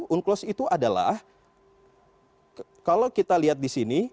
unclose itu adalah kalau kita lihat di sini